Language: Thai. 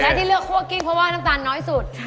และที่เลือกคั่วกิ้งเพราะว่าน้ำตาลน้อยสุด